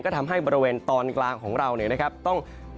ก็ทำในช่วยอากาศมีก้านปะกรังของเรา